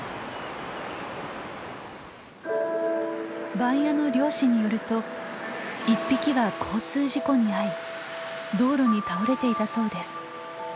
番屋の漁師によると１匹は交通事故に遭い道路に倒れていたそうです。